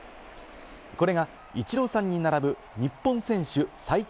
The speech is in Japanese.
これがイチローさんに並ぶ日本選手最多